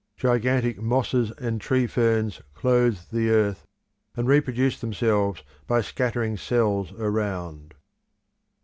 Gigantic mosses and tree ferns clothed the earth, and reproduced themselves by scattering cells around.